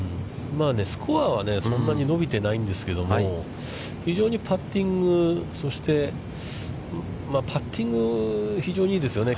スコアはそんなに伸びてないんですけども、非常にパッティング、パッティング、非常にいいですよね。